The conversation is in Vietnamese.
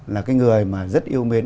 là cái người mà rất yêu mến